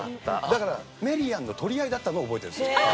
だから『メリーアン』の取り合いだったのは覚えてるんです。